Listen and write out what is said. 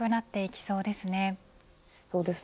そうですね。